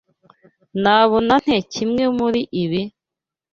Nabona nte kimwe muri ibi?